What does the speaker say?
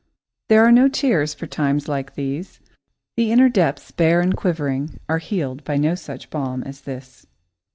There are no tears for times like these; the inner depths, bare and quivering, are healed by no such balm as this.